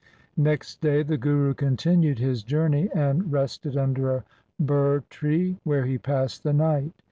Next day the Guru continued his journey and rested under a ber tree, where he passed the night.